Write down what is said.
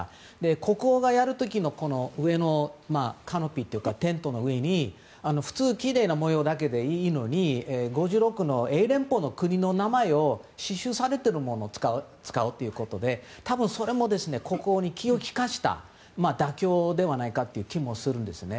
国王がやる時、テントの上に普通、きれいな模様だけでいいのに５６の英連邦の名前を刺繍されているものを使うということで多分それも、国王に気を利かせた妥協ではないかという気もするんですね。